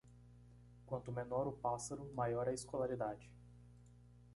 Quanto menor o pássaro, maior a escolaridade.